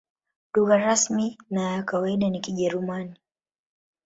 Lugha rasmi na ya kawaida ni Kijerumani.